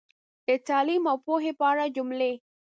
د تعلیم او پوهې په اړه جملې